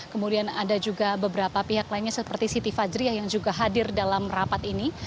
kemudian ada juga beberapa pihak lainnya seperti siti fajriah yang juga hadir dalam rapat ini